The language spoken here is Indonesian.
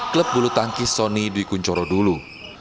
klub bulu tangkis sonny dwi kunchoro dulu